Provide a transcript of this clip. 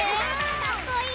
かっこいい！